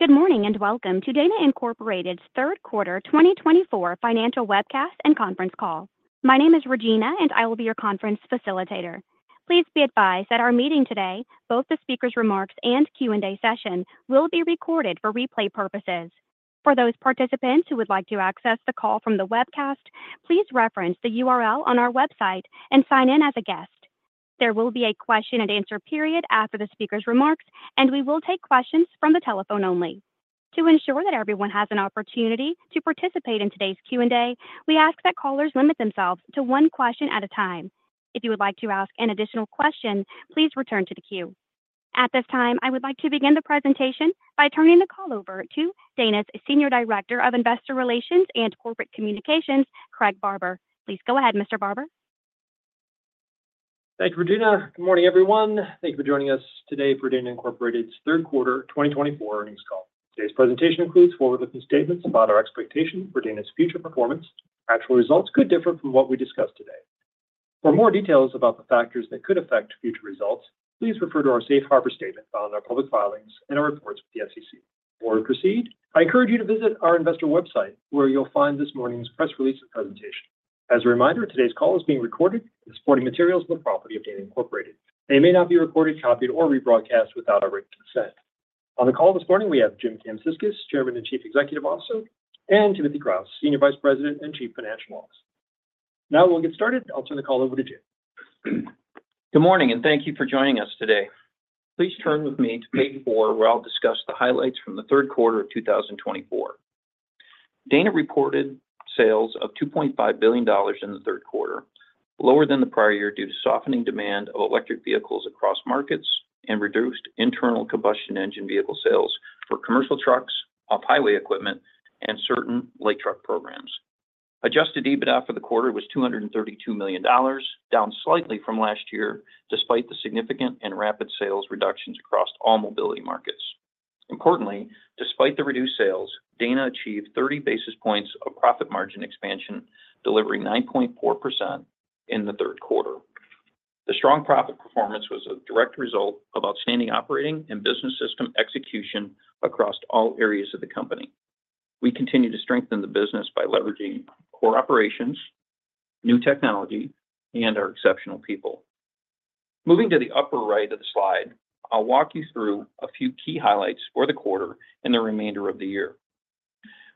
Good morning and welcome to Dana Incorporated's Q3 2024 Financial Webcast and Conference Call. My name is Regina, and I will be your conference facilitator. Please be advised that our meeting today, both the speaker's remarks and Q&A session, will be recorded for replay purposes. For those participants who would like to access the call from the webcast, please reference the URL on our website and sign in as a guest. There will be a question-and-answer period after the speaker's remarks, and we will take questions from the telephone only. To ensure that everyone has an opportunity to participate in today's Q&A, we ask that callers limit themselves to one question at a time. If you would like to ask an additional question, please return to the queue. At this time, I would like to begin the presentation by turning the call over to Dana's Senior Director of Investor Relations and Corporate Communications, Craig Barber. Please go ahead, Mr. Barber. Thank you, Regina. Good morning, everyone. Thank you for joining us today for Dana Incorporated's Q3 2024 Earnings Call. Today's presentation includes forward-looking statements about our expectation for Dana's future performance, and actual results could differ from what we discuss today. For more details about the factors that could affect future results, please refer to our Safe Harbor statement found in our public filings and our reports with the SEC. Before we proceed, I encourage you to visit our investor website, where you'll find this morning's press release and presentation. As a reminder, today's call is being recorded, and its supporting materials are the property of Dana Incorporated. They may not be recorded, copied, or rebroadcast without our written consent. On the call this morning, we have Jim Kamsickas, Chairman and Chief Executive Officer, and Timothy Kraus, Senior Vice President and Chief Financial Officer. Now we'll get started. I'll turn the call over to Jim. Good morning, and thank you for joining us today. Please turn with me to Page 4, where I'll discuss the highlights from the Q3 of 2024. Dana reported sales of $2.5 billion in the Q3, lower than the prior year due to softening demand of electric vehicles across markets and reduced internal combustion engine vehicle sales for commercial trucks, off-highway equipment, and certain light truck programs. Adjusted EBITDA for the quarter was $232 million, down slightly from last year, despite the significant and rapid sales reductions across all mobility markets. Importantly, despite the reduced sales, Dana achieved 30 basis points of profit margin expansion, delivering 9.4% in the Q3. The strong profit performance was a direct result of outstanding operating and business system execution across all areas of the company. We continue to strengthen the business by leveraging core operations, new technology, and our exceptional people. Moving to the upper right of the slide, I'll walk you through a few key highlights for the quarter and the remainder of the year.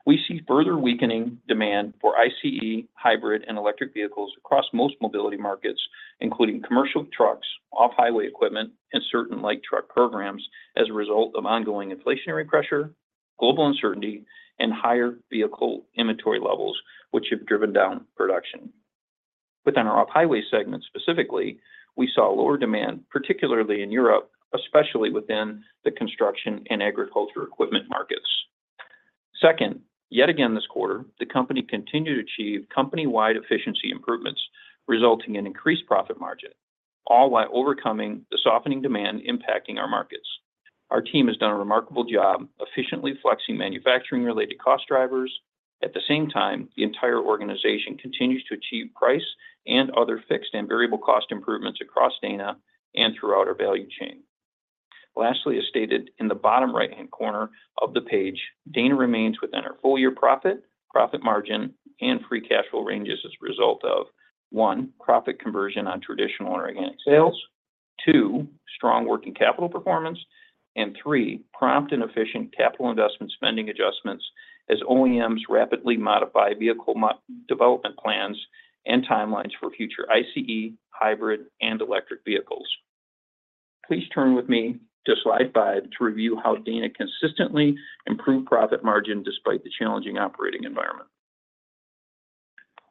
We see further weakening demand for ICE, hybrid, and electric vehicles across most mobility markets, including commercial trucks, off-highway equipment, and certain light truck programs as a result of ongoing inflationary pressure, global uncertainty, and higher vehicle inventory levels, which have driven down production. Within our Off-Highway segment specifically, we saw lower demand, particularly in Europe, especially within the construction and agriculture equipment markets. Second, yet again this quarter, the company continued to achieve company-wide efficiency improvements, resulting in increased profit margin, all while overcoming the softening demand impacting our markets. Our team has done a remarkable job efficiently flexing manufacturing-related cost drivers. At the same time, the entire organization continues to achieve price and other fixed and variable cost improvements across Dana and throughout our value chain. Lastly, as stated in the bottom right-hand corner of the page, Dana remains within our full-year profit, profit margin, and free cash flow ranges as a result of one, profit conversion on traditional and organic sales. Two, strong working capital performance. And three, prompt and efficient capital investment spending adjustments as OEMs rapidly modify vehicle development plans and timelines for future ICE, hybrid, and electric vehicles. Please turn with me to Slide 5 to review how Dana consistently improved profit margin despite the challenging operating environment.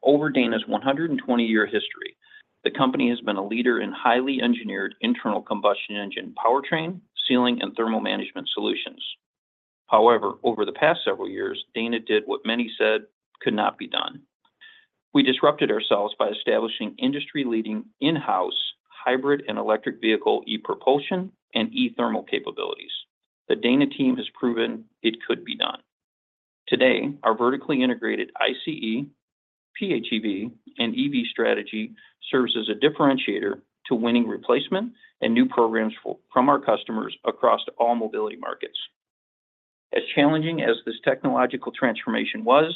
Over Dana's 120-year history, the company has been a leader in highly engineered internal combustion engine powertrain, sealing, and thermal management solutions. However, over the past several years, Dana did what many said could not be done. We disrupted ourselves by establishing industry-leading in-house hybrid and electric vehicle e-Propulsion and e-Thermal capabilities. The Dana team has proven it could be done. Today, our vertically integrated ICE, PHEV, and EV strategy serves as a differentiator to winning replacement and new programs from our customers across all mobility markets. As challenging as this technological transformation was,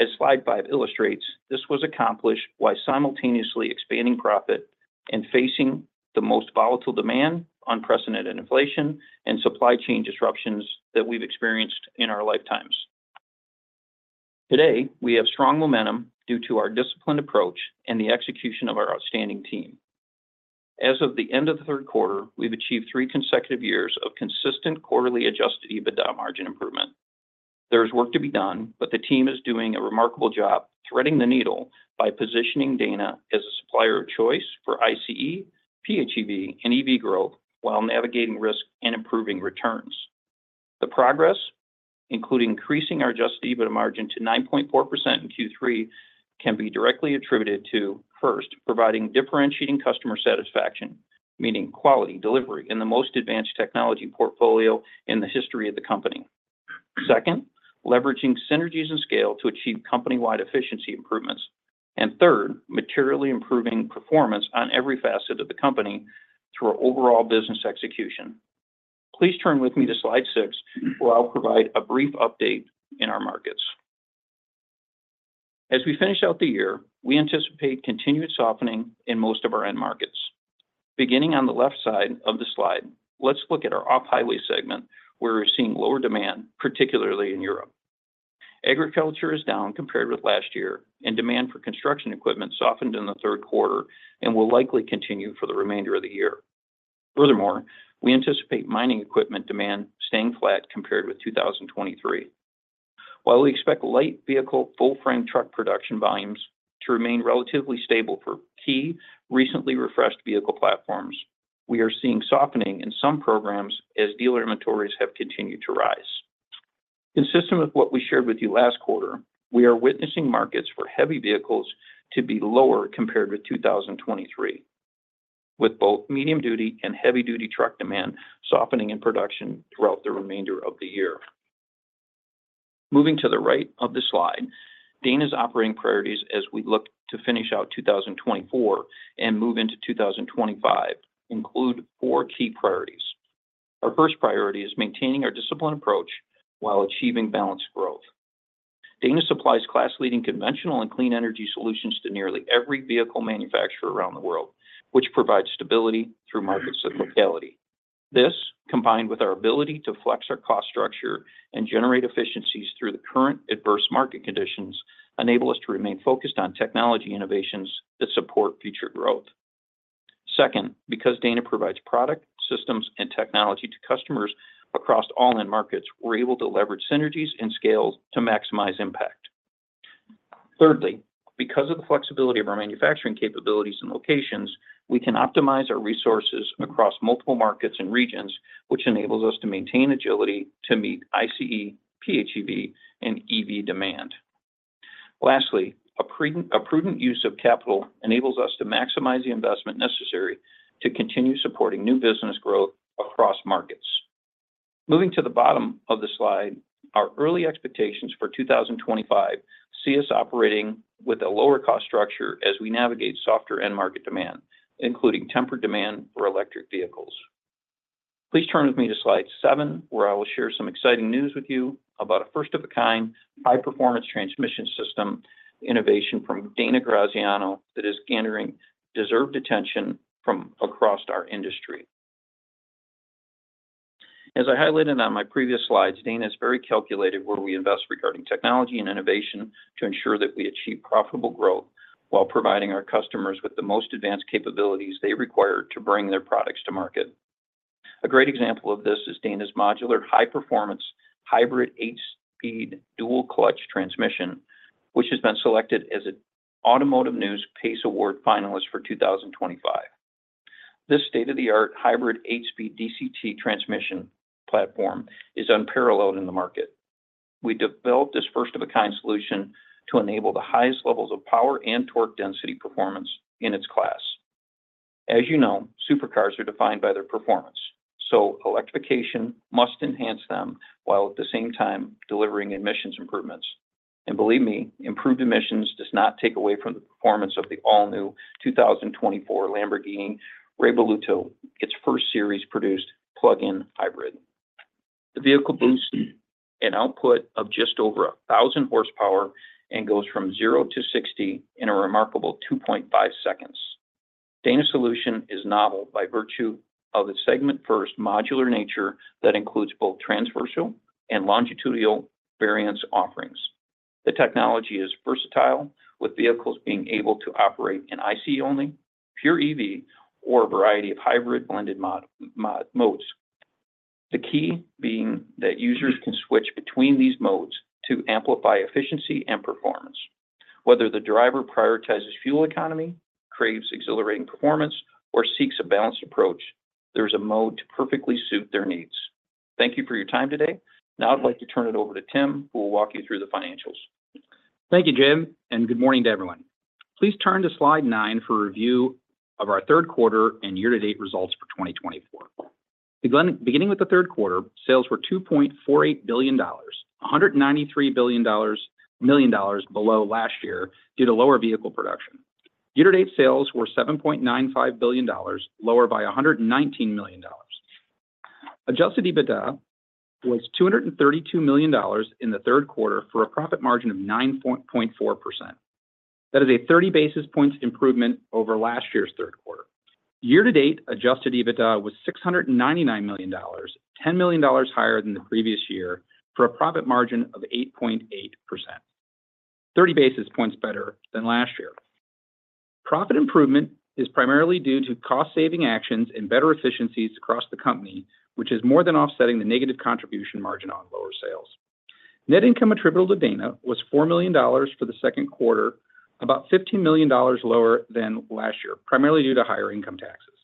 as Slide 5 illustrates, this was accomplished while simultaneously expanding profit and facing the most volatile demand, unprecedented inflation, and supply chain disruptions that we've experienced in our lifetimes. Today, we have strong momentum due to our disciplined approach and the execution of our outstanding team. As of the end of the Q3, we've achieved three consecutive years of consistent quarterly adjusted EBITDA margin improvement. There is work to be done, but the team is doing a remarkable job threading the needle by positioning Dana as a supplier of choice for ICE, PHEV, and EV growth while navigating risk and improving returns. The progress, including increasing our Adjusted EBITDA margin to 9.4% in Q3, can be directly attributed to, first, providing differentiating customer satisfaction, meaning quality delivery in the most advanced technology portfolio in the history of the company, second, leveraging synergies and scale to achieve company-wide efficiency improvements, and third, materially improving performance on every facet of the company through our overall business execution. Please turn with me to Slide 6, where I'll provide a brief update in our markets. As we finish out the year, we anticipate continued softening in most of our end markets. Beginning on the left side of the slide, let's look at our Off-Highway segment, where we're seeing lower demand, particularly in Europe. Agriculture is down compared with last year, and demand for construction equipment softened in the Q3 and will likely continue for the remainder of the year. Furthermore, we anticipate mining equipment demand staying flat compared with 2023. While we expect light vehicle full-frame truck production volumes to remain relatively stable for key recently refreshed vehicle platforms, we are seeing softening in some programs as dealer inventories have continued to rise. Consistent with what we shared with you last quarter, we are witnessing markets for heavy vehicles to be lower compared with 2023, with both medium-duty and heavy-duty truck demand softening in production throughout the remainder of the year. Moving to the right of the slide, Dana's operating priorities as we look to finish out 2024 and move into 2025 include four key priorities. Our first priority is maintaining our disciplined approach while achieving balanced growth. Dana supplies class-leading conventional and clean energy solutions to nearly every vehicle manufacturer around the world, which provides stability through market volatility. This, combined with our ability to flex our cost structure and generate efficiencies through the current adverse market conditions, enables us to remain focused on technology innovations that support future growth. Second, because Dana provides product, systems, and technology to customers across all end markets, we're able to leverage synergies and scale to maximize impact. Thirdly, because of the flexibility of our manufacturing capabilities and locations, we can optimize our resources across multiple markets and regions, which enables us to maintain agility to meet ICE, PHEV, and EV demand. Lastly, a prudent use of capital enables us to maximize the investment necessary to continue supporting new business growth across markets. Moving to the bottom of the slide, our early expectations for 2025 see us operating with a lower cost structure as we navigate softer end market demand, including tempered demand for electric vehicles. Please turn with me to Slide 7, where I will share some exciting news with you about a first-of-its-kind high-performance transmission system innovation from Dana Graziano that is gathering deserved attention from across our industry. As I highlighted on my previous slides, Dana is very calculated where we invest regarding technology and innovation to ensure that we achieve profitable growth while providing our customers with the most advanced capabilities they require to bring their products to market. A great example of this is Dana's modular high-performance hybrid eight-speed dual-clutch transmission, which has been selected as an Automotive News PACE Award finalist for 2025. This state-of-the-art hybrid eight-speed DCT transmission platform is unparalleled in the market. We developed this first-of-its-kind solution to enable the highest levels of power and torque density performance in its class. As you know, supercars are defined by their performance, so electrification must enhance them while at the same time delivering emissions improvements, and believe me, improved emissions do not take away from the performance of the all-new 2024 Lamborghini Revuelto, its first series-produced plug-in hybrid. The vehicle boasts an output of just over 1,000 horsepower and goes from 0 to 60 in a remarkable 2.5 seconds. Dana's solution is novel by virtue of its segment-first modular nature that includes both transverse and longitudinal variant offerings. The technology is versatile, with vehicles being able to operate in ICE only, pure EV, or a variety of hybrid blended modes. The key being that users can switch between these modes to amplify efficiency and performance. Whether the driver prioritizes fuel economy, craves exhilarating performance, or seeks a balanced approach, there is a mode to perfectly suit their needs. Thank you for your time today. Now I'd like to turn it over to Tim, who will walk you through the financials. Thank you, Jim. And good morning to everyone. Please turn to Slide 9 for a review of our Q3 and year-to-date results for 2024. Beginning with the Q3, sales were $2.48 billion, $193 million below last year due to lower vehicle production. Year-to-date sales were $7.95 billion, lower by $119 million. Adjusted EBITDA was $232 million in the Q3 for a profit margin of 9.4%. That is a 30 basis points improvement over last year's Q3. Year-to-date adjusted EBITDA was $699 million, $10 million higher than the previous year for a profit margin of 8.8%. 30 basis points better than last year. Profit improvement is primarily due to cost-saving actions and better efficiencies across the company, which is more than offsetting the negative contribution margin on lower sales. Net income attributable to Dana was $4 million for the Q2, about $15 million lower than last year, primarily due to higher income taxes.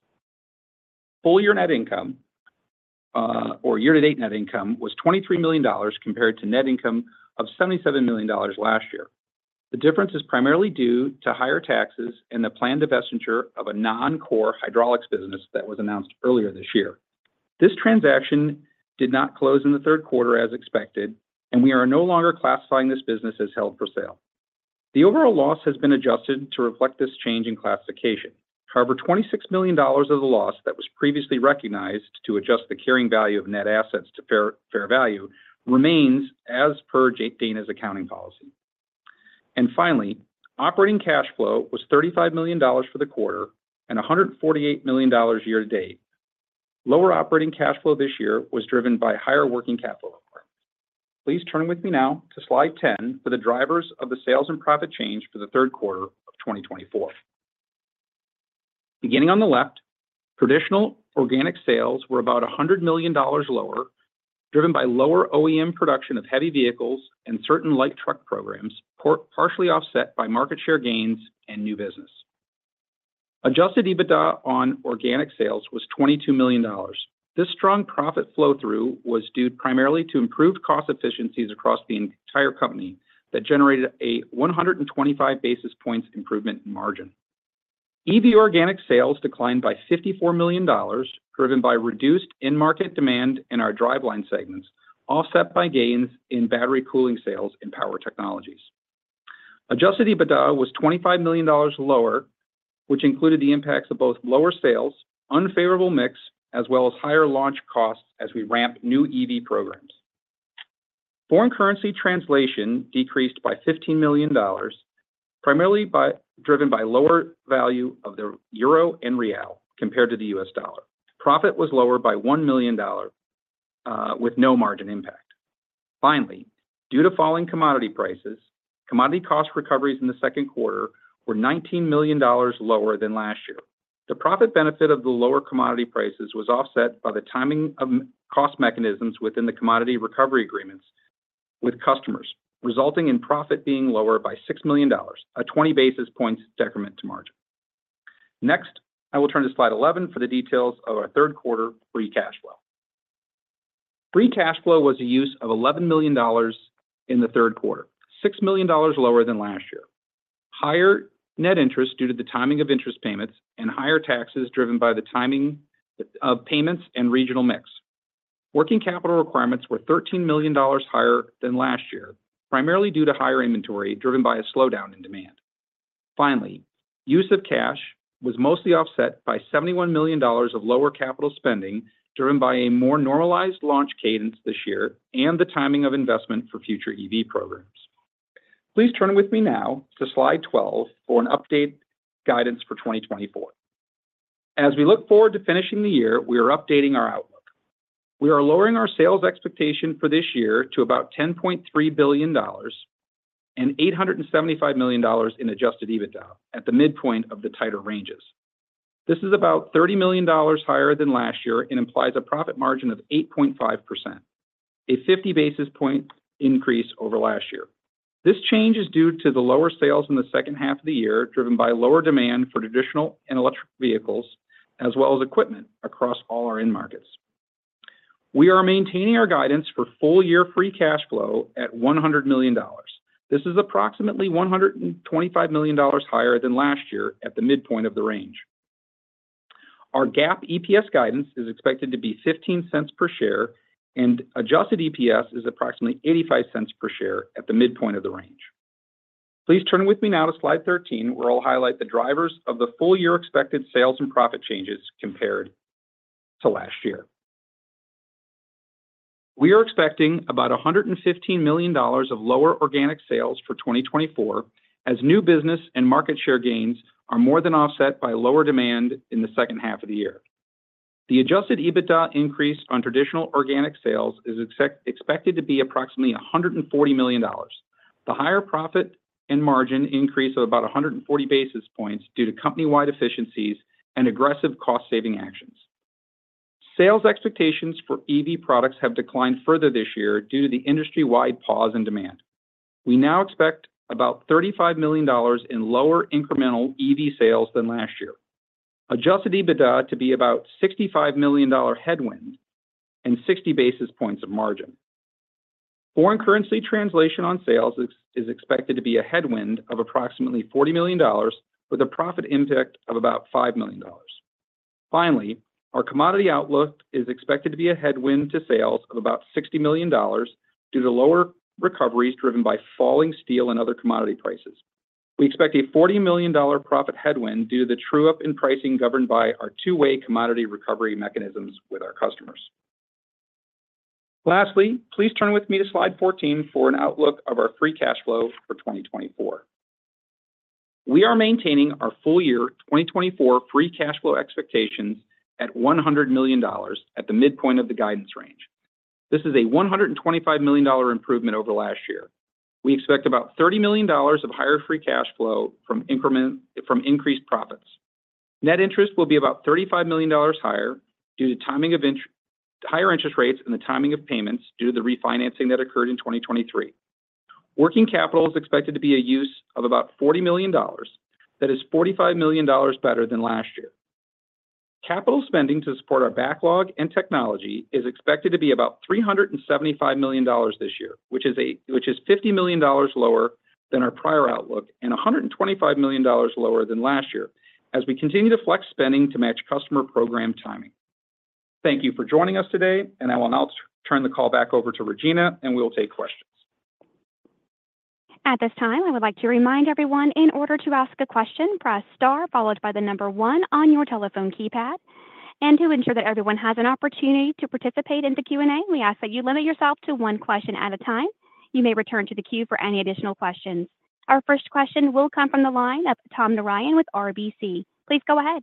Full-year net income or year-to-date net income was $23 million compared to net income of $77 million last year. The difference is primarily due to higher taxes and the planned divestiture of a non-core hydraulics business that was announced earlier this year. This transaction did not close in the Q3 as expected, and we are no longer classifying this business as held for sale. The overall loss has been adjusted to reflect this change in classification. However, $26 million of the loss that was previously recognized to adjust the carrying value of net assets to fair value remains, as per Dana's accounting policy. And finally, operating cash flow was $35 million for the quarter and $148 million year-to-date. Lower operating cash flow this year was driven by higher working capital requirements. Please turn with me now to Slide 10 for the drivers of the sales and profit change for the Q3 of 2024. Beginning on the left, traditional organic sales were about $100 million lower, driven by lower OEM production of heavy vehicles and certain light truck programs, partially offset by market share gains and new business. Adjusted EBITDA on organic sales was $22 million. This strong profit flow-through was due primarily to improved cost efficiencies across the entire company that generated a 125 basis points improvement in margin. EV organic sales declined by $54 million, driven by reduced end market demand in our driveline segments, offset by gains in battery cooling sales and power technologies. Adjusted EBITDA was $25 million lower, which included the impacts of both lower sales, unfavorable mix, as well as higher launch costs as we ramp new EV programs. Foreign currency translation decreased by $15 million, primarily driven by lower value of the euro and real compared to the U.S. dollar. Profit was lower by $1 million with no margin impact. Finally, due to falling commodity prices, commodity cost recoveries in the Q2 $19 million lower than last year. The profit benefit of the lower commodity prices was offset by the timing of cost mechanisms within the commodity recovery agreements with customers, resulting in profit being lower by $6 million, a 20 basis points decrement to margin. Next, I will turn to Slide 11 for the details of our Q3 free cash flow. Free cash flow was a use of $11 million in the Q3, $6 million lower than last year. Higher net interest due to the timing of interest payments and higher taxes driven by the timing of payments and regional mix. Working capital requirements were $13 million higher than last year, primarily due to higher inventory driven by a slowdown in demand. Finally, use of cash was mostly offset by $71 million of lower capital spending driven by a more normalized launch cadence this year and the timing of investment for future EV programs. Please turn with me now to Slide 12 for an updated guidance for 2024. As we look forward to finishing the year, we are updating our outlook. We are lowering our sales expectation for this year to about $10.3 billion and $875 million in adjusted EBITDA at the midpoint of the tighter ranges. This is about $30 million higher than last year and implies a profit margin of 8.5%, a 50 basis point increase over last year. This change is due to the lower sales in the second half of the year, driven by lower demand for traditional and electric vehicles, as well as equipment across all our end markets. We are maintaining our guidance for full-year free cash flow at $100 million. This is approximately $125 million higher than last year at the midpoint of the range. Our GAAP EPS guidance is expected to be $0.15 per share, and adjusted EPS is approximately $0.85 per share at the midpoint of the range. Please turn with me now to Slide 13, where I'll highlight the drivers of the full-year expected sales and profit changes compared to last year. We are expecting about $115 million of lower organic sales for 2024, as new business and market share gains are more than offset by lower demand in the second half of the year. The adjusted EBITDA increase on traditional organic sales is expected to be approximately $140 million, the higher profit and margin increase of about 140 basis points due to company-wide efficiencies and aggressive cost-saving actions. Sales expectations for EV products have declined further this year due to the industry-wide pause in demand. We now expect about $35 million in lower incremental EV sales than last year, adjusted EBITDA to be about $65 million headwind and 60 basis points of margin. Foreign currency translation on sales is expected to be a headwind of approximately $40 million, with a profit impact of about $5 million. Finally, our commodity outlook is expected to be a headwind to sales of about $60 million due to lower recoveries driven by falling steel and other commodity prices. We expect a $40 million profit headwind due to the true-up in pricing governed by our two-way commodity recovery mechanisms with our customers. Lastly, please turn with me to Slide 14 for an outlook of our free cash flow for 2024. We are maintaining our full-year 2024 free cash flow expectations at $100 million at the midpoint of the guidance range. This is a $125 million improvement over last year. We expect about $30 million of higher free cash flow from increased profits. Net interest will be about $35 million higher due to higher interest rates and the timing of payments due to the refinancing that occurred in 2023. Working capital is expected to be a use of about $40 million. That is $45 million better than last year. Capital spending to support our backlog and technology is expected to be about $375 million this year, which is $50 million lower than our prior outlook and $125 million lower than last year as we continue to flex spending to match customer program timing. Thank you for joining us today, and I will now turn the call back over to Regina, and we'll take questions. At this time, I would like to remind everyone, in order to ask a question, press star followed by the number one on your telephone keypad, and to ensure that everyone has an opportunity to participate in the Q&A, we ask that you limit yourself to one question at a time. You may return to the queue for any additional questions. Our first question will come from the line of Tom Narayan with RBC. Please go ahead.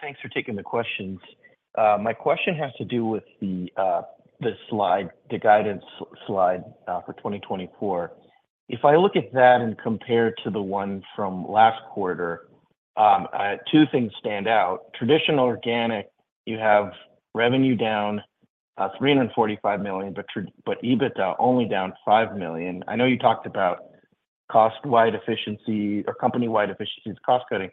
Thanks for taking the questions. My question has to do with the guidance slide for 2024. If I look at that and compare it to the one from last quarter, two things stand out. Traditional organic, you have revenue down $345 million, but EBITDA only down $5 million. I know you talked about cost-wide efficiency or company-wide efficiencies, cost-cutting.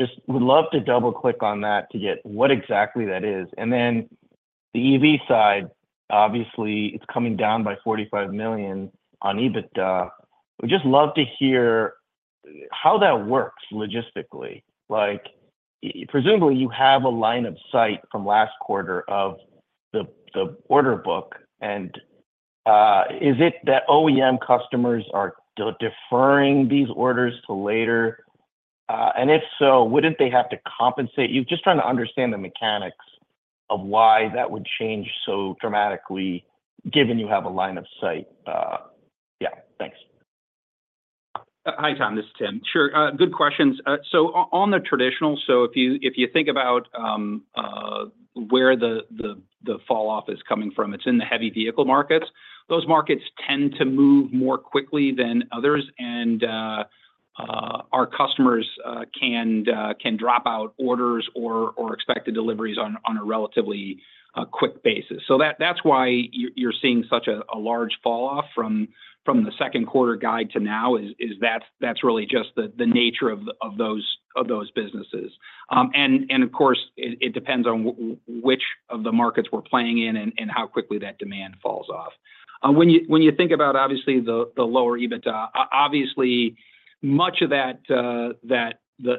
Just would love to double-click on that to get what exactly that is. And then the EV side, obviously, it's coming down by $45 million on EBITDA. We'd just love to hear how that works logistically. Presumably, you have a line of sight from last quarter of the order book. And is it that OEM customers are deferring these orders to later? And if so, wouldn't they have to compensate? Just trying to understand the mechanics of why that would change so dramatically, given you have a line of sight. Yeah, thanks. Hi, Tom. This is Tim. Sure. Good questions. So on the traditional, so if you think about where the falloff is coming from, it's in the heavy vehicle markets. Those markets tend to move more quickly than others, and our customers can drop out orders or expected deliveries on a relatively quick basis. So that's why you're seeing such a large falloff from the Q2 guide to now, is that's really just the nature of those businesses. And of course, it depends on which of the markets we're playing in and how quickly that demand falls off. When you think about, obviously, the lower EBITDA, obviously, much of that, the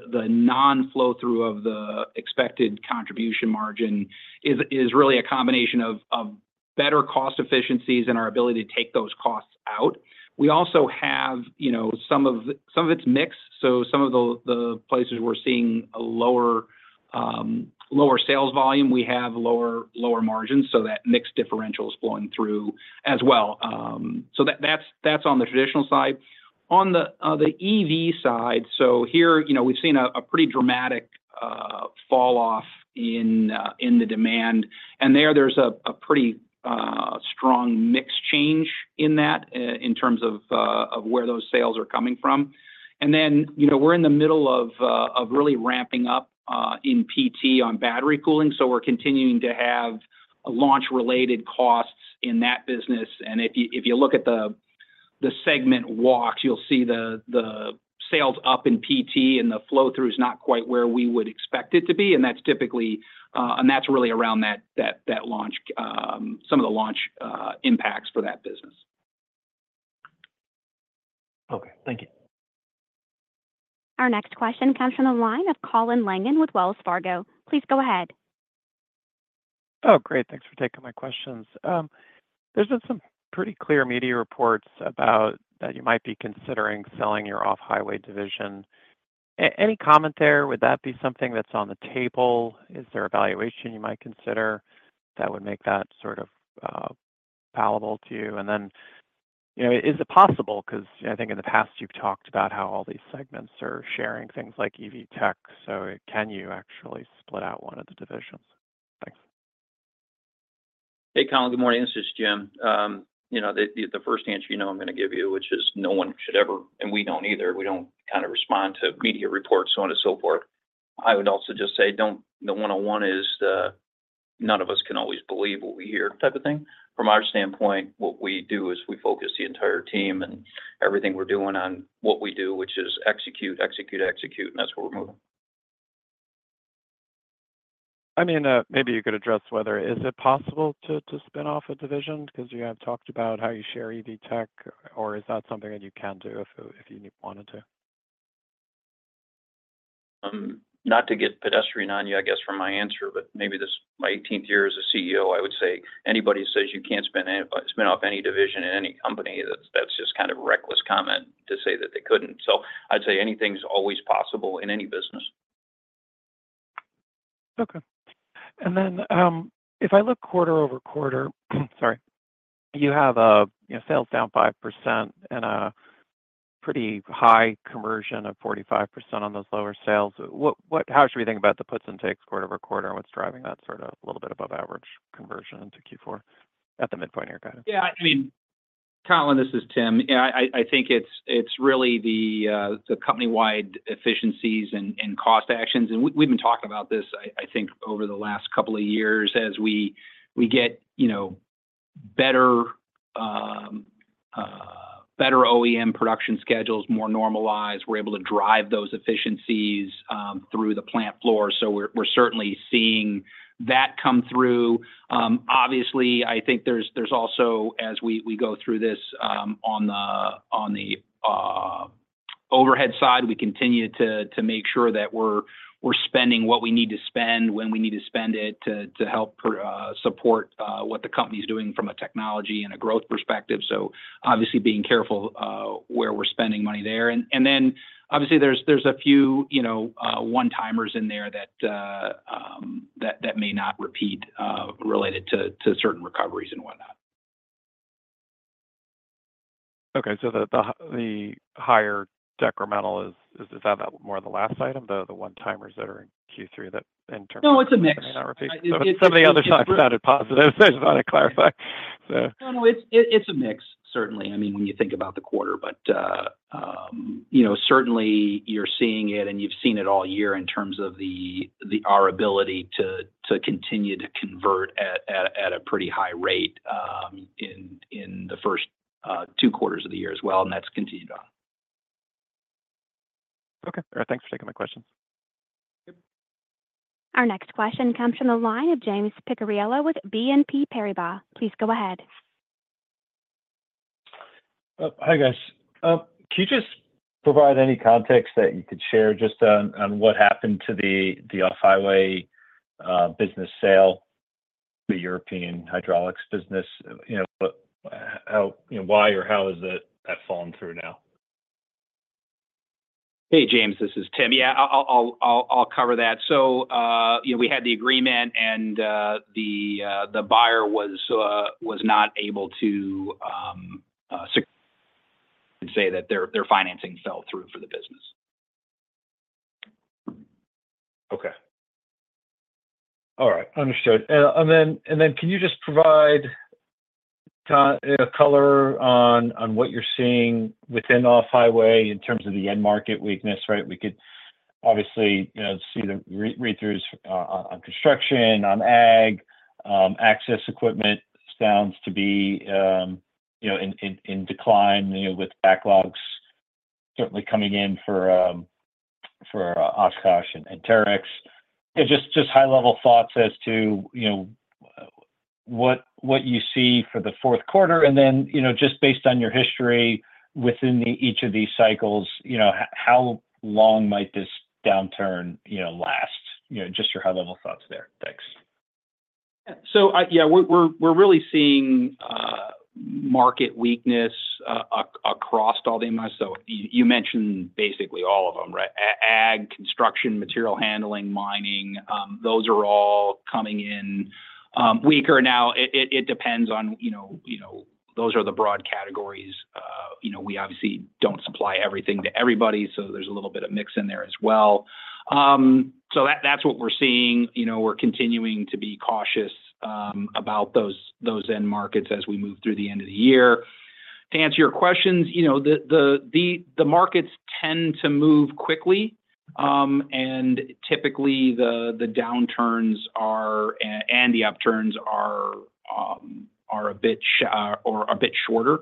non-flow-through of the expected contribution margin is really a combination of better cost efficiencies and our ability to take those costs out. We also have some of its mix. So, some of the places we're seeing a lower sales volume, we have lower margins, so that mixed differential is flowing through as well. So that's on the traditional side. On the EV side, so here, we've seen a pretty dramatic falloff in the demand. And there, there's a pretty strong mix change in that in terms of where those sales are coming from. And then we're in the middle of really ramping up in PT on battery cooling. So we're continuing to have launch-related costs in that business. And if you look at the segment walks, you'll see the sales up in PT, and the flow-through is not quite where we would expect it to be. And that's typically, and that's really around that launch, some of the launch impacts for that business. Okay. Thank you. Our next question comes from the line of Colin Langan with Wells Fargo. Please go ahead. Oh, great. Thanks for taking my questions. There's been some pretty clear media reports about that you might be considering selling your off-highway division. Any comment there? Would that be something that's on the table? Is there evaluation you might consider that would make that sort of palatable to you? And then is it possible? Because I think in the past, you've talked about how all these segments are sharing things like EV tech. So can you actually split out one of the divisions? Thanks. Hey, Colin. Good morning. This is Jim. The first answer you know I'm going to give you, which is no one should ever, and we don't either. We don't kind of respond to media reports, so on and so forth. I would also just say the 101 is none of us can always believe what we hear type of thing. From our standpoint, what we do is we focus the entire team and everything we're doing on what we do, which is execute, execute, execute, and that's where we're moving. I mean, maybe you could address whether it is possible to spin off a division because you have talked about how you share EV tech, or is that something that you can do if you wanted to? Not to get pedestrian on you, I guess, from my answer, but maybe this is my 18th year as a CEO. I would say anybody who says you can't spin off any division in any company, that's just kind of a reckless comment to say that they couldn't. So I'd say anything's always possible in any business. Okay, and then if I look quarter over quarter. Sorry, you have sales down 5% and a pretty high conversion of 45% on those lower sales. How should we think about the puts and takes quarter over quarter and what's driving that sort of a little bit above average conversion into Q4 at the midpoint of your guidance? Yeah. I mean, Colin, this is Tim. I think it's really the company-wide efficiencies and cost actions. And we've been talking about this, I think, over the last couple of years as we get better OEM production schedules, more normalized. We're able to drive those efficiencies through the plant floor. So we're certainly seeing that come through. Obviously, I think there's also, as we go through this on the overhead side, we continue to make sure that we're spending what we need to spend, when we need to spend it to help support what the company's doing from a technology and a growth perspective. So obviously, being careful where we're spending money there. And then obviously, there's a few one-timers in there that may not repeat related to certain recoveries and whatnot. Okay. So the higher decremental, is that more the last item, the one-timers that are in Q3 that in terms of? No, it's a mix. Some of the other stuff sounded positive. I just wanted to clarify. No, no. It's a mix, certainly, I mean, when you think about the quarter. But certainly, you're seeing it, and you've seen it all year in terms of our ability to continue to convert at a pretty high rate in the first two quarters of the year as well, and that's continued on. Okay. All right. Thanks for taking my questions. Our next question comes from the line of James Picariello with BNP Paribas. Please go ahead. Hi, guys. Can you just provide any context that you could share just on what happened to the off-highway business sale, the European hydraulics business? Why or how has that fallen through now? Hey, James. This is Tim. Yeah, I'll cover that. So we had the agreement, and the buyer was not able to say that their financing fell through for the business. Okay. All right. Understood. And then can you just provide color on what you're seeing within off-highway in terms of the end market weakness, right? We could obviously see the read-throughs on construction, on ag. Access equipment sounds to be in decline with backlogs certainly coming in for Oshkosh and Terex. Just high-level thoughts as to what you see for the Q4. And then just based on your history within each of these cycles, how long might this downturn last? Just your high-level thoughts there. Thanks. So yeah, we're really seeing market weakness across all the EMs. So you mentioned basically all of them, right? Ag, construction, material handling, mining, those are all coming in weaker now. It depends on those are the broad categories. We obviously don't supply everything to everybody, so there's a little bit of mix in there as well. So that's what we're seeing. We're continuing to be cautious about those end markets as we move through the end of the year. To answer your questions, the markets tend to move quickly, and typically, the downturns and the upturns are a bit shorter.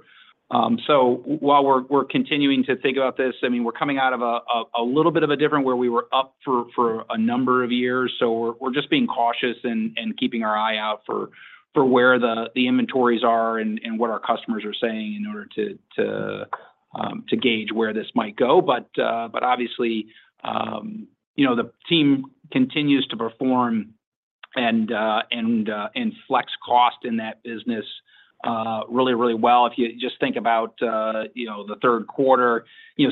So while we're continuing to think about this, I mean, we're coming out of a little bit of a different where we were up for a number of years. So we're just being cautious and keeping our eye out for where the inventories are and what our customers are saying in order to gauge where this might go. But obviously, the team continues to perform and flex cost in that business really, really well. If you just think about the Q3,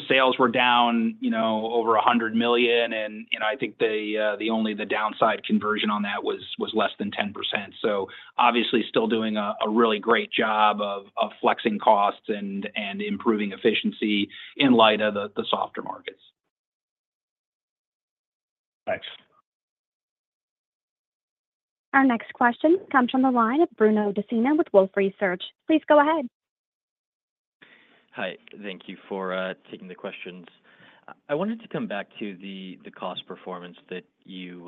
sales were down over $100 million, and I think the downside conversion on that was less than 10%. So obviously, still doing a really great job of flexing costs and improving efficiency in light of the softer markets. Thanks. Our next question comes from the line of Emmanuel Rosner with Wolfe Research. Please go ahead. Hi. Thank you for taking the questions. I wanted to come back to the cost performance that you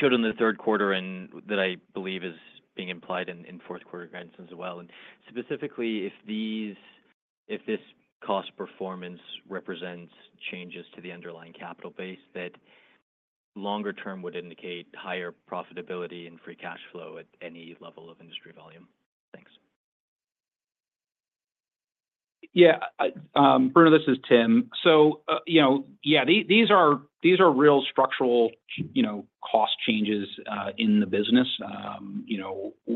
showed in the Q3 and that I believe is being implied in Q4 guidance as well, and specifically, if this cost performance represents changes to the underlying capital base, that longer term would indicate higher profitability and free cash flow at any level of industry volume? Thanks. Yeah. Bruno, this is Tim. So yeah, these are real structural cost changes in the business.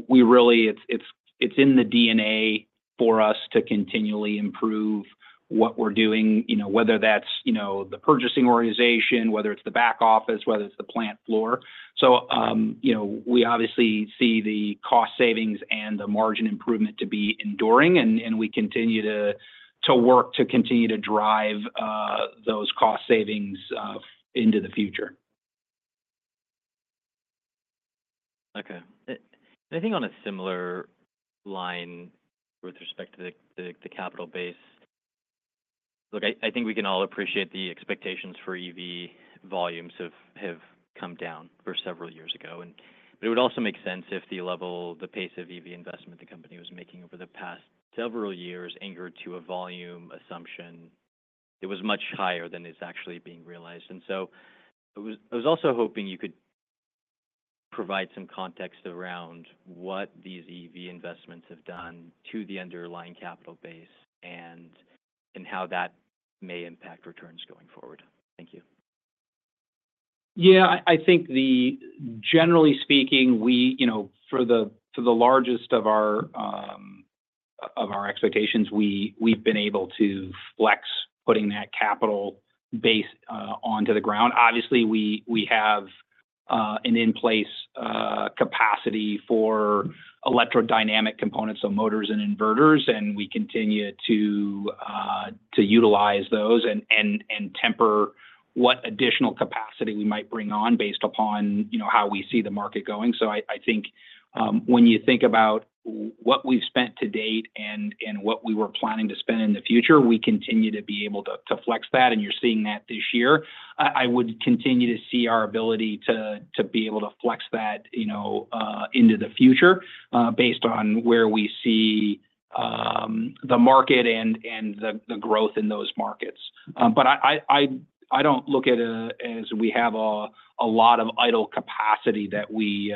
Really, it's in the DNA for us to continually improve what we're doing, whether that's the purchasing organization, whether it's the back office, whether it's the plant floor. So we obviously see the cost savings and the margin improvement to be enduring, and we continue to work to continue to drive those cost savings into the future. Okay. Anything on a similar line with respect to the capital base? Look, I think we can all appreciate the expectations for EV volumes have come down for several years ago. But it would also make sense if the level, the pace of EV investment the company was making over the past several years anchored to a volume assumption that was much higher than is actually being realized. And so I was also hoping you could provide some context around what these EV investments have done to the underlying capital base and how that may impact returns going forward. Thank you. Yeah. I think generally speaking, for the largest of our expectations, we've been able to flex putting that capital base onto the ground. Obviously, we have an in-place capacity for electrodynamic components, so motors and inverters, and we continue to utilize those and temper what additional capacity we might bring on based upon how we see the market going, so I think when you think about what we've spent to date and what we were planning to spend in the future, we continue to be able to flex that, and you're seeing that this year. I would continue to see our ability to be able to flex that into the future based on where we see the market and the growth in those markets, but I don't look at it as we have a lot of idle capacity that we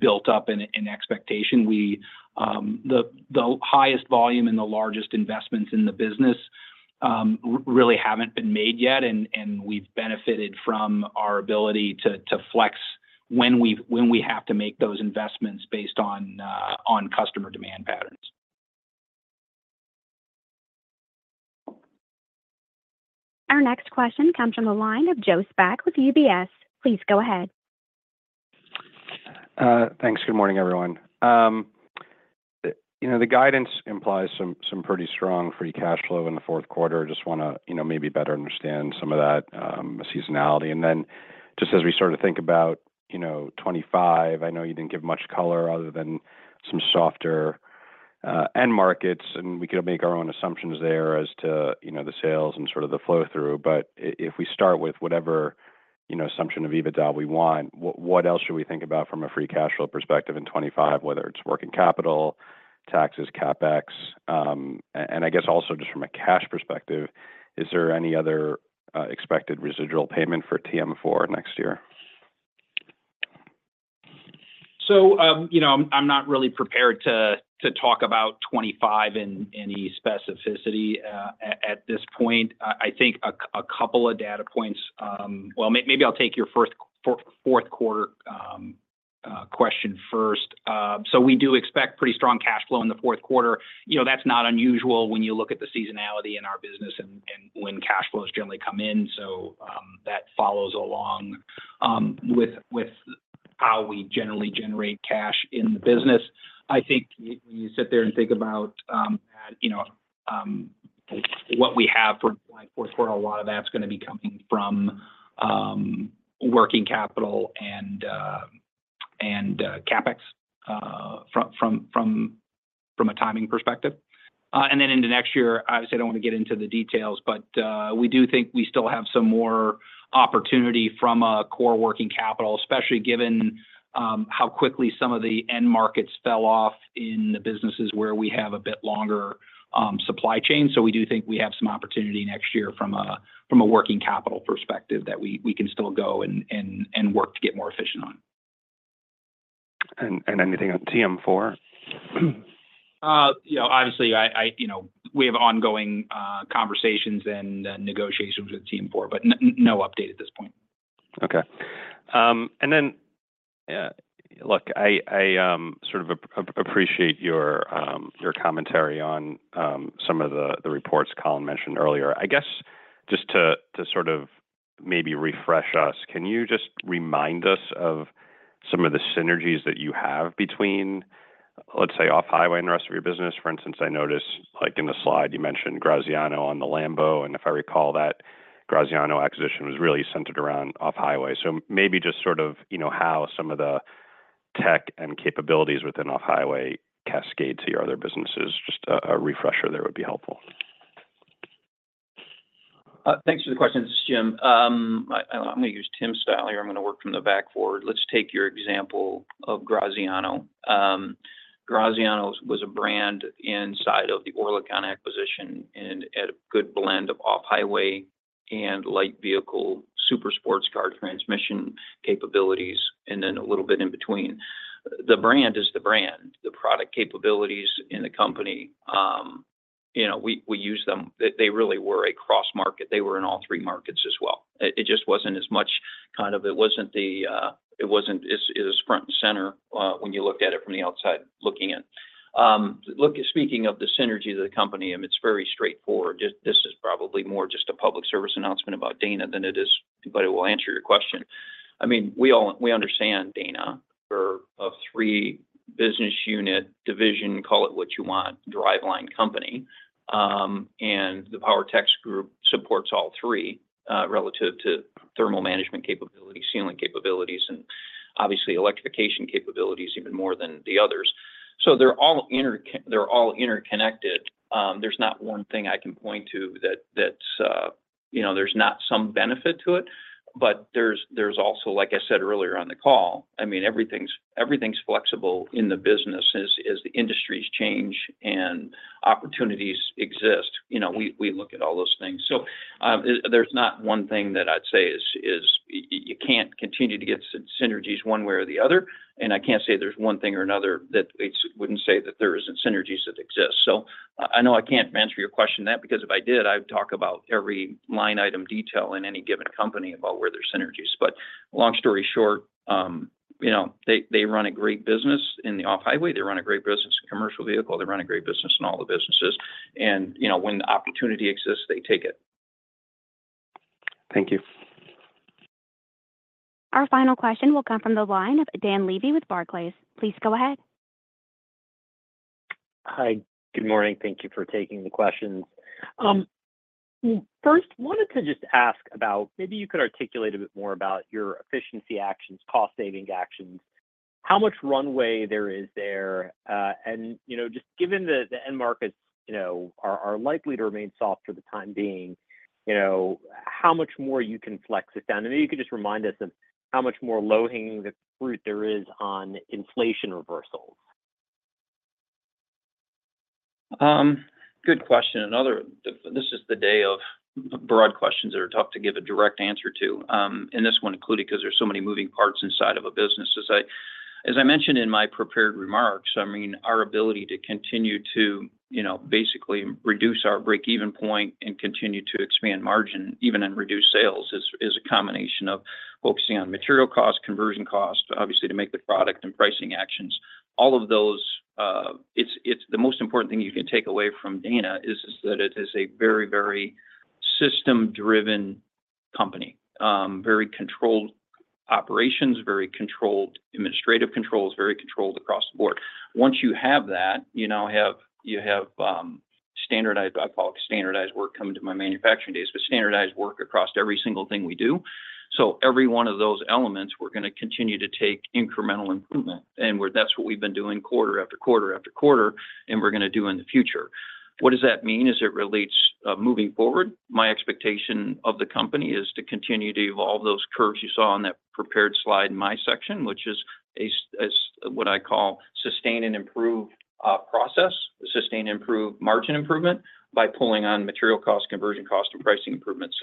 built up in expectation. The highest volume and the largest investments in the business really haven't been made yet, and we've benefited from our ability to flex when we have to make those investments based on customer demand patterns. Our next question comes from the line of Joe Spak with UBS. Please go ahead. Thanks. Good morning, everyone. The guidance implies some pretty strong free cash flow in the Q4. I just want to maybe better understand some of that seasonality, and then just as we sort of think about 2025, I know you didn't give much color other than some softer end markets, and we could make our own assumptions there as to the sales and sort of the flow-through, but if we start with whatever assumption of EBITDA we want, what else should we think about from a free cash flow perspective in 2025, whether it's working capital, taxes, CapEx, and I guess also just from a cash perspective, is there any other expected residual payment for TM4 next year? I'm not really prepared to talk about 2025 in any specificity at this point. I think a couple of data points. Maybe I'll take your Q4 question first. We do expect pretty strong cash flow in the Q4. That's not unusual when you look at the seasonality in our business and when cash flows generally come in. That follows along with how we generally generate cash in the business. I think when you sit there and think about what we have for 2024, a lot of that's going to be coming from working capital and CapEx from a timing perspective. And then into next year, obviously, I don't want to get into the details, but we do think we still have some more opportunity from a core working capital, especially given how quickly some of the end markets fell off in the businesses where we have a bit longer supply chain. So we do think we have some opportunity next year from a working capital perspective that we can still go and work to get more efficient on. Anything on TM4? Obviously, we have ongoing conversations and negotiations with TM4, but no update at this point. Okay. And then, yeah, look, I sort of appreciate your commentary on some of the reports Colin mentioned earlier. I guess just to sort of maybe refresh us, can you just remind us of some of the synergies that you have between, let's say, off-highway and the rest of your business? For instance, I noticed in the slide you mentioned Graziano on the Lambo. And if I recall, that Graziano acquisition was really centered around off-highway. So maybe just sort of how some of the tech and capabilities within off-highway cascade to your other businesses. Just a refresher there would be helpful. Thanks for the questions, Jim. I'm going to use Tim's style here. I'm going to work from the back forward. Let's take your example of Graziano. Graziano was a brand inside of the Oerlikon acquisition and had a good blend of off-highway and light vehicle super sports car transmission capabilities, and then a little bit in between. The brand is the brand. The product capabilities in the company, we use them. They really were a cross market. They were in all three markets as well. It just wasn't as much, kind of. It wasn't as front and center when you looked at it from the outside looking in. Look, speaking of the synergy of the company, it's very straightforward. This is probably more just a public service announcement about Dana than it is, but it will answer your question. I mean, we understand Dana. We're a three-business unit division, call it what you want, driveline company, and the Power Technologies Group supports all three relative to thermal management capabilities, sealing capabilities, and obviously electrification capabilities even more than the others, so they're all interconnected. There's not one thing I can point to that there's not some benefit to it, but there's also, like I said earlier on the call, I mean, everything's flexible in the business as the industries change and opportunities exist. We look at all those things, so there's not one thing that I'd say is you can't continue to get synergies one way or the other, and I can't say there's one thing or another that wouldn't say that there aren't synergies that exist. So I know I can't answer your question to that because if I did, I would talk about every line item detail in any given company about where there are synergies. But long story short, they run a great business in the off-highway. They run a great business in commercial vehicle. They run a great business in all the businesses. And when the opportunity exists, they take it. Thank you. Our final question will come from the line of Dan Levy with Barclays. Please go ahead. Hi. Good morning. Thank you for taking the questions. First, wanted to just ask about maybe you could articulate a bit more about your efficiency actions, cost-saving actions, how much runway there is there, and just given that the end markets are likely to remain soft for the time being, how much more you can flex it down, and then you could just remind us of how much more low-hanging fruit there is on inflation reversals. Good question. This is the day of broad questions that are tough to give a direct answer to, and this one included because there's so many moving parts inside of a business. As I mentioned in my prepared remarks, I mean, our ability to continue to basically reduce our break-even point and continue to expand margin, even in reduced sales, is a combination of focusing on material costs, conversion costs, obviously to make the product and pricing actions. All of those, the most important thing you can take away from Dana is that it is a very, very system-driven company, very controlled operations, very controlled administrative controls, very controlled across the board. Once you have that, you have standardized (I call it standardized work from my manufacturing days) but standardized work across every single thing we do, so every one of those elements, we're going to continue to take incremental improvement. That's what we've been doing quarter after quarter after quarter, and we're going to do in the future. What does that mean as it relates moving forward? My expectation of the company is to continue to evolve those curves you saw on that prepared slide in my section, which is what I call sustain and improve process, sustain and improve margin improvement by pulling on material cost, conversion cost, and pricing improvement.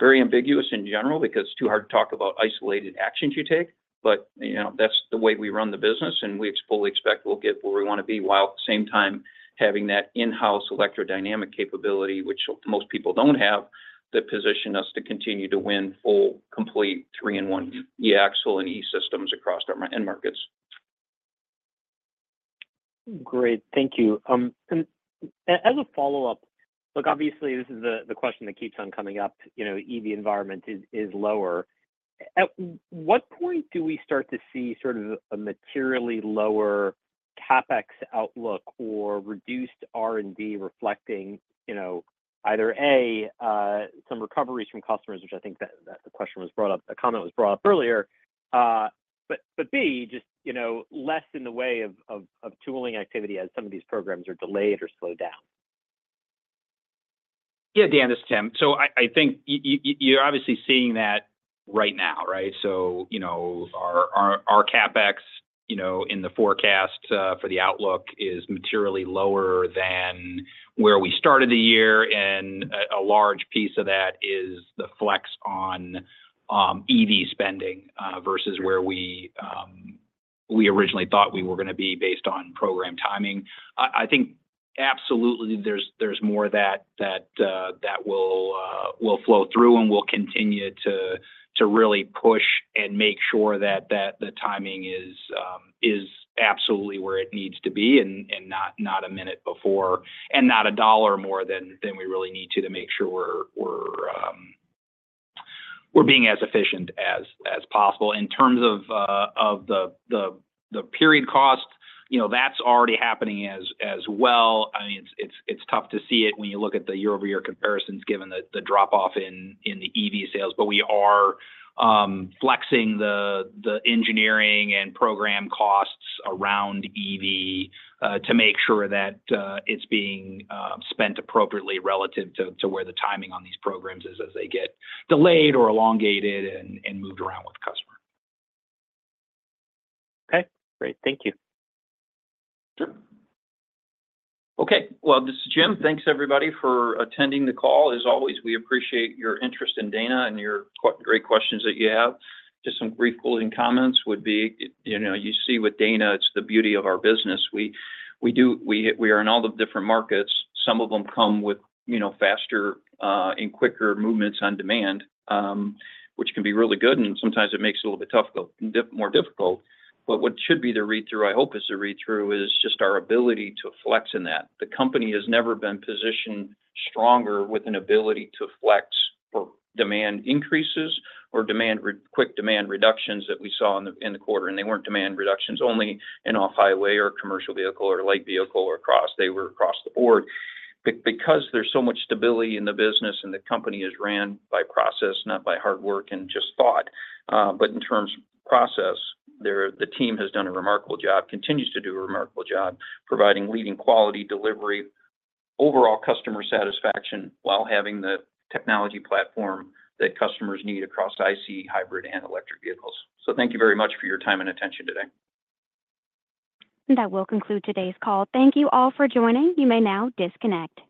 Very ambiguous in general because it's too hard to talk about isolated actions you take. That's the way we run the business, and we fully expect we'll get where we want to be while at the same time having that in-house electrodynamic capability, which most people don't have, that positioned us to continue to win full, complete three-in-one e-Axle and e-Systems across our end markets. Great. Thank you. As a follow-up, look, obviously, this is the question that keeps on coming up. EV environment is lower. At what point do we start to see sort of a materially lower CapEx outlook or reduced R&D reflecting either A, some recoveries from customers, which I think that the question was brought up, the comment was brought up earlier, but B, just less in the way of tooling activity as some of these programs are delayed or slowed down? Yeah, Dan, this is Tim. So I think you're obviously seeing that right now, right? So our CapEx in the forecast for the outlook is materially lower than where we started the year. And a large piece of that is the flex on EV spending versus where we originally thought we were going to be based on program timing. I think absolutely there's more that will flow through and will continue to really push and make sure that the timing is absolutely where it needs to be and not a minute before and not a dollar more than we really need to to make sure we're being as efficient as possible. In terms of the period cost, that's already happening as well. I mean, it's tough to see it when you look at the year-over-year comparisons given the drop-off in the EV sales. But we are flexing the engineering and program costs around EV to make sure that it's being spent appropriately relative to where the timing on these programs is as they get delayed or elongated and moved around with the customer. Okay. Great. Thank you. Sure. Okay. Well, this is Jim. Thanks, everybody, for attending the call. As always, we appreciate your interest in Dana and your great questions that you have. Just some brief closing comments would be you see with Dana, it's the beauty of our business. We are in all the different markets. Some of them come with faster and quicker movements on demand, which can be really good. And sometimes it makes it a little bit more difficult. But what should be the read-through, I hope is the read-through, is just our ability to flex in that. The company has never been positioned stronger with an ability to flex for demand increases or quick demand reductions that we saw in the quarter. And they weren't demand reductions only in off-highway or commercial vehicle or light vehicle or cross. They were across the board. Because there's so much stability in the business and the company is ran by process, not by hard work and just thought. But in terms of process, the team has done a remarkable job, continues to do a remarkable job providing leading quality delivery, overall customer satisfaction while having the technology platform that customers need across ICE, hybrid, and electric vehicles. So thank you very much for your time and attention today. That will conclude today's call. Thank you all for joining. You may now disconnect.